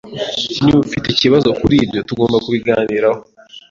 Niba ufite ikibazo kuri ibyo, tugomba kubiganiraho.